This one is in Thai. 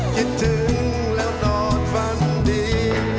คิดถึงแล้วนอนฝันดี